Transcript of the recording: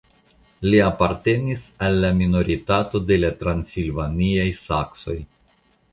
Li apartenis al la minoritato de la transilvaniaj saksoj.